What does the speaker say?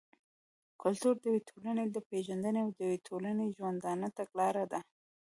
کلتور د يوې ټولني د پېژندني او د يوې ټولني د ژوندانه تګلاره ده.